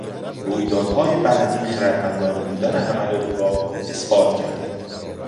رویدادهای بعدی خردمندانه بودن عمل او را اثبات کرد.